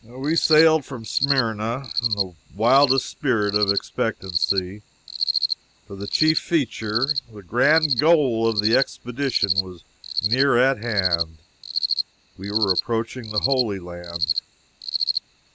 We sailed from Smyrna, in the wildest spirit of expectancy, for the chief feature, the grand goal of the expedition, was near at hand we were approaching the Holy Land!